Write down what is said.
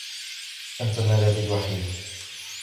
أنت ملاذي الوحيد.